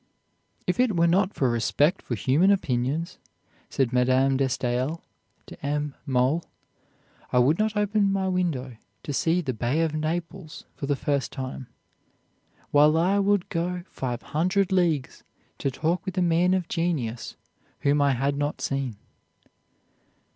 "If it were not for respect for human opinions," said Madame de Staël to M. Mole, "I would not open my window to see the Bay of Naples for the first time, while I would go five hundred leagues to talk with a man of genius whom I had not seen."